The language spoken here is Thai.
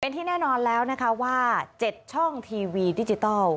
ที่แน่นอนแล้วนะคะว่า๗ช่องทีวีดิจิทัล